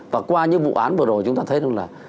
và qua những vụ án vừa rồi chúng ta thấy rằng là